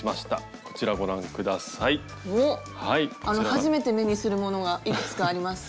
初めて目にするものがいくつかあります。